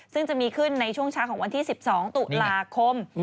ซึ่งจะมีขึ้นในช่วงเช้าของวันที่๑๒ตุลาคม